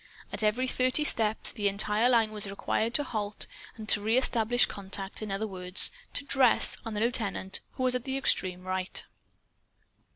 At every thirty steps the entire line was required to halt and to reestablish contact in other words, to "dress" on the lieutenant, who was at the extreme right.